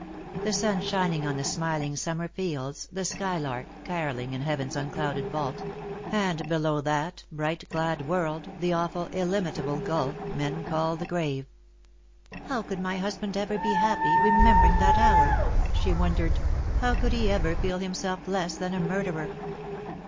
The sun shining on the smiling summer fields, the skylark carolling in heaven's un clouded vault; and below that bright glad world the awful illimitable gulf men call the grave. " How could my husband ever be happy, remembering that hour ?" she wondered. " How could he ever feel himself less than a murderer?"